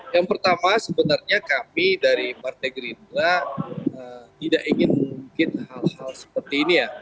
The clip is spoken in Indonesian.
yang pertama sebenarnya kami dari partai gerindra tidak ingin mungkin hal hal seperti ini ya